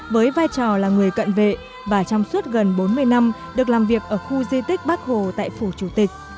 với vai trò là người cận vệ và trong suốt gần bốn mươi năm được làm việc ở khu di tích bác hồ tại phủ chủ tịch